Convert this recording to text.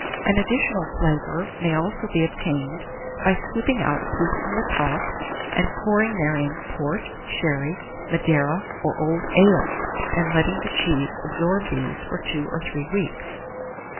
An additional flavour may also be obtained by scooping out a piece from the top, and pouring therein port, sherry, Madeira, or old ale, and letting the cheese absorb these for 2 or 3 weeks.